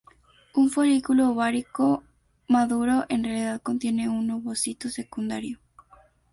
Un folículo ovárico maduro, en realidad contiene un ovocito secundario.